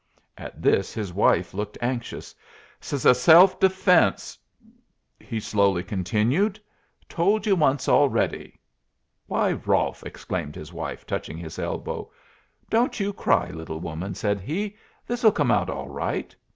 At this his wife looked anxious. "S self defence," he slowly continued; "told you once already." "Why, Rolfe!" exclaimed his wife, touching his elbow. "Don't you cry, little woman," said he; "this'll come out all right.